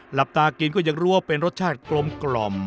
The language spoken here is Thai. หลับตากินก็ยังรู้ว่าเป็นรสชาติกลม